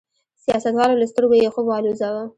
سیاستوالو له سترګو یې خوب والوځاوه.